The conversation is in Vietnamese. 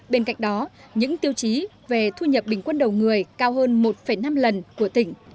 bên cạnh đó những tiêu chí về thu nhập bình quân đầu người cao hơn một năm lần của tỉnh